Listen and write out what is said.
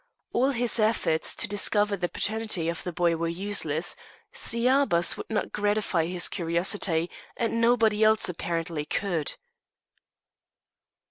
All his efforts to discover the paternity of the boy were useless; Sciabas would not gratify his curiosity, and nobody else, apparently, could.